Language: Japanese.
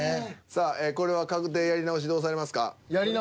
さあこれは確定やり直しどうされますか？